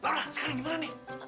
laura sekarang gimana nih